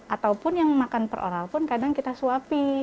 ataupun yang makan per oral pun kadang kita suapi